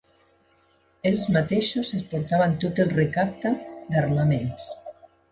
Ells mateixos es portaven tot el recapte d'armaments.